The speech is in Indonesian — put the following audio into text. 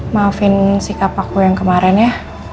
maafin sikap aku yang kemarin ya